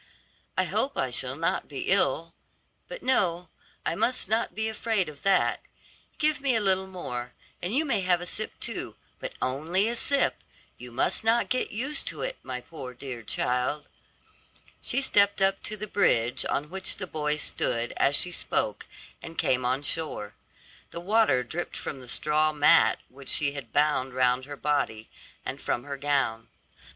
I hope I shall not be ill. But no, I must not be afraid of that. Give me a little more, and you may have a sip too, but only a sip; you must not get used to it, my poor, dear child." She stepped up to the bridge on which the boy stood as she spoke, and came on shore. The water dripped from the straw mat which she had bound round her body, and from her gown.